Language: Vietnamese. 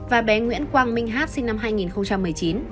và bé nguyễn quang minh hát sinh năm hai nghìn một mươi chín